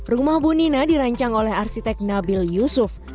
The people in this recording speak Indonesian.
rumah bu nina dirancang oleh arsitek nabil yusuf